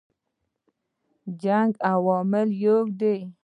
جنګ عواملو یو دی.